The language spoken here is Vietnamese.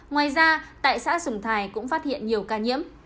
ngoài ra tại xã sùng thái cũng phát hiện nhiều ca nhiễm